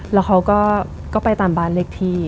แล้วเขาก็ไปตามบ้านเลขที่